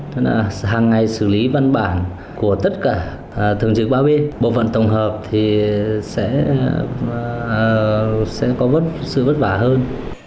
nên là hàng ngày xử lý văn bản của tất cả thường trực ba b bộ phận tổng hợp thì sẽ có sự vất vả hơn